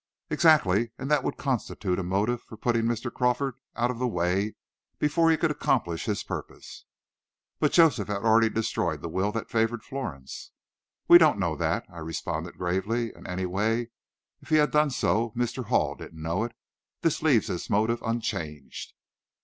"Exactly; and that would constitute a motive for putting Mr. Crawford out of the way before he could accomplish his purpose." "But Joseph had already destroyed the will that favored Florence." "We don't know that," I responded gravely. "And, anyway, if he had done so, Mr. Hall didn't know it. This leaves his motive unchanged."